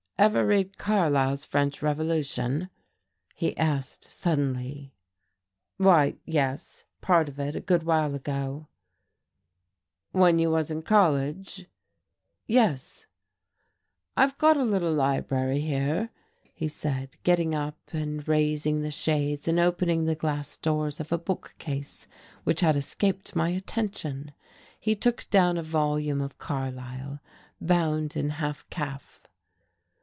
"Ever read Carlyle's 'French Revolution'?" he asked suddenly. "Why, yes, part of it, a good while ago." "When you was in college?" "Yes." "I've got a little library here," he said, getting up and raising the shades and opening the glass doors of a bookcase which had escaped my attention. He took down a volume of Carlyle, bound in half calf.